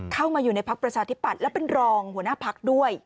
เข้ามาอยู่ในพักประชาธิปัตย์และเป็นรองหัวหน้าพักด้วย